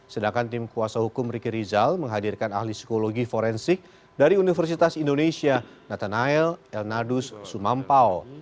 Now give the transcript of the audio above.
sedangkan tim kuasa hukum riki rizal menghadirkan ahli psikologi forensik dari universitas indonesia nathanael elnadus sumampao